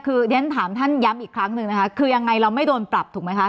คือเรียนถามท่านย้ำอีกครั้งหนึ่งนะคะคือยังไงเราไม่โดนปรับถูกไหมคะ